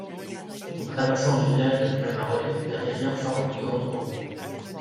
En traversant le village de Palmarolle, la rivière forme deux grandes courbes.